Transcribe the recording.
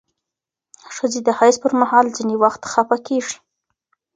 ښځې د حیض پر مهال ځینې وخت خپه کېږي.